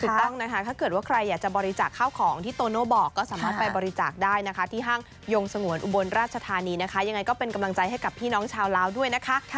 ถูกต้องนะคะถ้าเกิดว่าใครอยากจะบริจาคข้าวของที่โตโน่บอกก็สามารถไปบริจาคได้นะคะที่ห้างยงสงวนอุบลราชธานีนะคะยังไงก็เป็นกำลังใจให้กับพี่น้องชาวลาวด้วยนะคะ